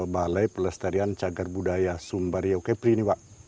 balai pelestarian cagar budaya sumbaria okepri ini pak